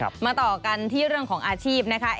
มาต่อกันที่เรื่องของอาชีพนะคะ